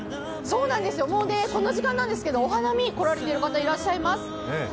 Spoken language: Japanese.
この時間なんですけど、お花見に来られている方がいらっしゃいますね。